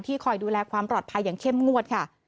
คอยดูแลความปลอดภัยอย่างเข้มงวดค่ะ